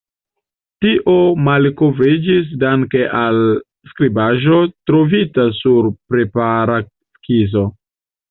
Tio malkovriĝis danke al skribaĵo trovita sur prepara skizo.